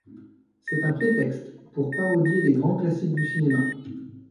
C'est un prétexte pour parodier les grands classiques du cinéma.